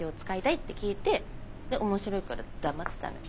で面白いから黙ってたの。